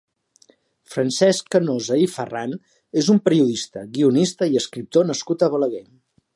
Francesc Canosa i Farran és un periodista, guionista i escriptor nascut a Balaguer.